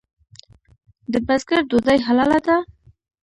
د بزګر ډوډۍ حلاله ده؟